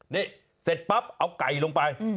นี่เสร็จปั๊บเอาไก่ลงไป